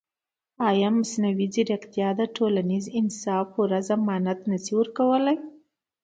ایا مصنوعي ځیرکتیا د ټولنیز انصاف پوره ضمانت نه شي ورکولی؟